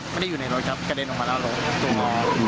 ไม่ได้อยู่ในรถครับกระเด็นออกมาแล้วลง